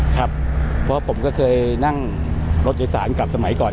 เพราะว่าผมก็เคยนั่งรถโดยสารกลับสมัยก่อน